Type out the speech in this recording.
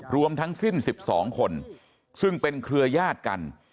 รวมทั้งสิ้น๑๒คนซึ่งเป็นเครือญาติกัน